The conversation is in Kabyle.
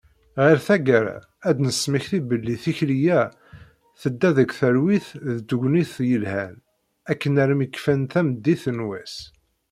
Ɣer taggara, ad d-nesmekti belli tikli-a, tedda deg talwit d tegnit yelhan, akken armi kfan tameddit n wass.